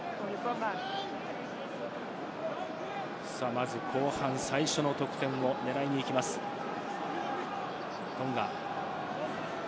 まず後半最初の得点を狙いに行きます、トンガ。